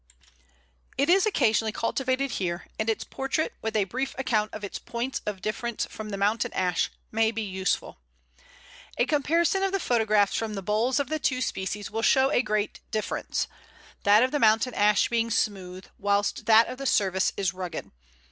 It is occasionally cultivated here, and its portrait, with a brief account of its points of difference from the Mountain Ash, may be useful. A comparison of the photographs from the boles of the two species will show a great difference: that of the Mountain Ash being smooth, whilst that of the Service is rugged.